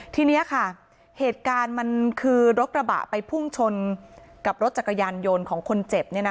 ทีนี้ค่ะเหตุการณ์มันคือรถกระบะไปพุ่งชนกับรถจักรยานยนต์ของคนเจ็บ